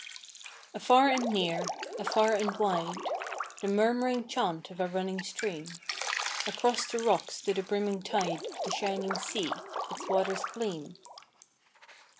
Afar and near, afar and wide, The murm'ring chant of a running stream, Across the rocks to the brimming tide Of the shining sea, its waters gleam.